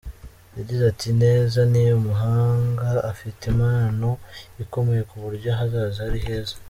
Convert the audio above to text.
Yagize ati “Neza ni umuhanga, afite impano ikomeye ku buryo ahazaza he ari heza.